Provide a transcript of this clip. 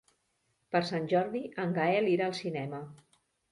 Per Sant Jordi en Gaël irà al cinema.